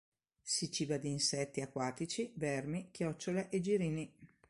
Si ciba di insetti acquatici, vermi, chiocciole e girini.